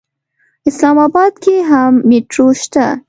اسلام اباد کې هم مېټرو شته.